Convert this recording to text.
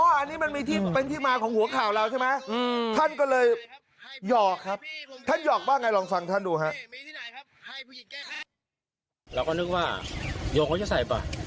อ๋ออันนี้มันเป็นที่มาของหัวข่าวเราใช่ไหม